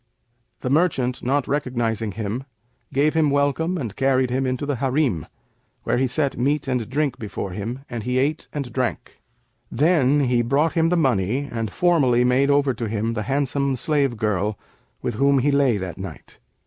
The merchant not recognising him gave him welcome and carried him into the Harim, where he set meat and drink before him, and he ate and drank. Then he brought him the money and formally made over to him the handsome slave girl with whom he lay that night.